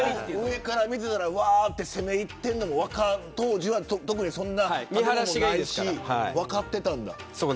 上から見てたらわーって攻め入ってるのが当時はそんな建物もないし分かってたんだ。